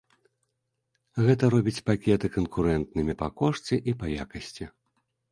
Гэта робіць пакеты канкурэнтнымі па кошце і па якасці.